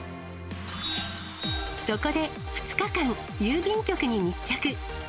そこで２日間、郵便局に密着。